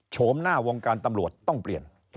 โฉมหน้าวงการตำรวจต้องเปลี่ยน